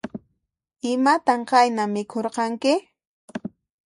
Imatan qayna mikhurqanki?